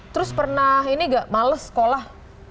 terus pernah ini gak males sekolah